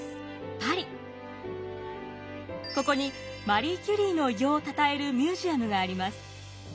ここにマリー・キュリーの偉業をたたえるミュージアムがあります。